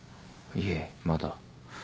いえまだ。